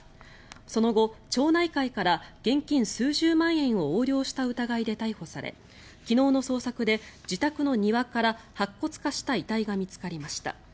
その後、町内会から現金数十万円を横領した疑いで逮捕され昨日の捜索で自宅の庭から白骨化した遺体が見つかりました。